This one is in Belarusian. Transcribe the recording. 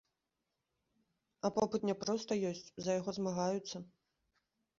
А попыт не проста ёсць, за яго змагаюцца.